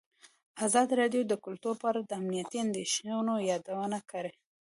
ازادي راډیو د کلتور په اړه د امنیتي اندېښنو یادونه کړې.